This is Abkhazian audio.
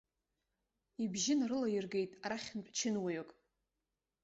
Ибжьы нарылаиргеит арахьынтә чынуаҩык.